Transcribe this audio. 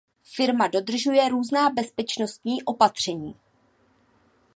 Firma dodržuje různá bezpečnostní opatření.